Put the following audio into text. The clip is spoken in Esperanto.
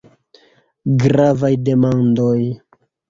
Gravaj demandoj.